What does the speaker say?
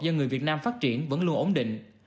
do người việt nam phát triển vẫn luôn ổn định